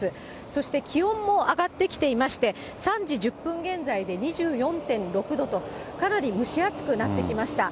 そして、気温も上がってきていまして、３時１０分現在で２４．６度と、かなり蒸し暑くなってきました。